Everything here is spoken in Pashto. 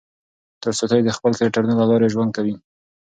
تولستوی د خپلو کرکټرونو له لارې ژوند کوي.